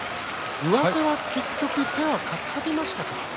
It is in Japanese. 上手は結局手がかかりましたか？